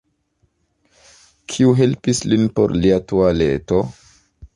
Kiu helpis lin por lia tualeto?